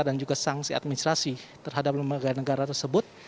dan juga sanksi administrasi terhadap lembaga negara tersebut